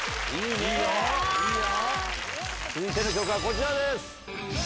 続いての曲はこちらです。